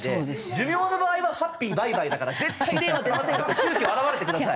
寿命の場合はハッピーバイバイだから絶対霊は出ませんよって宗教現れてください。